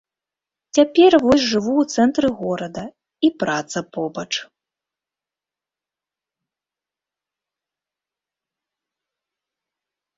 Цяпер вось жыву ў цэнтры горада, і праца побач.